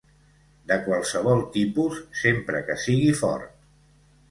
De qualsevol tipus, sempre que sigui fort.